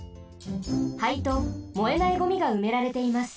灰と燃えないゴミがうめられています。